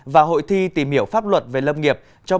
và hội thi tìm hiểu pháp luật về lâm nghiệp